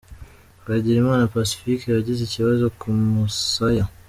Twagirimana Pacifque yagize ikibazo ku musaya .